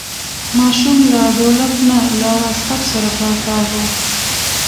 ماشوم له ډولک نه له واسکټ سره په عذاب و.